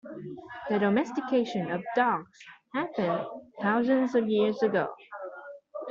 The domestication of dogs happened thousands of years ago.